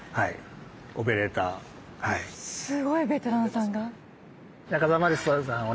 すごいベテランさんが。